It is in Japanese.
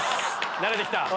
慣れてきた。